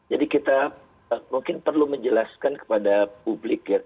jadi kita mungkin perlu menjelaskan kepada publik ya